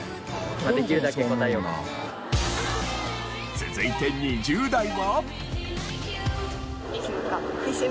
続いて２０代は。